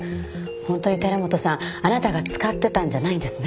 本当に寺本さんあなたが使ってたんじゃないんですね？